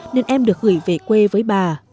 nên em được gửi về quê với bà